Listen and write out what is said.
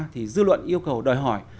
thì dư luận yêu cầu đòi hỏi